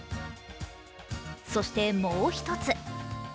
そしてもう一つ。